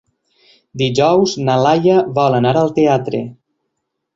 Dijous na Laia vol anar al teatre.